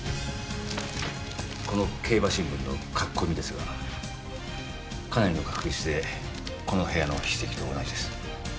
この競馬新聞の書き込みですがかなりの確率でこの部屋の筆跡と同じです。